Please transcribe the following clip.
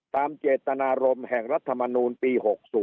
ตามเจตนารมณ์แห่งรัฐมนูลปี๖๐